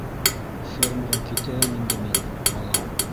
Фермаға китәйем инде мин, балам.